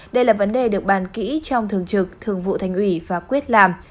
đây là vấn đề được bàn kỹ trong thường trực thường vụ thành ủy và quyết làm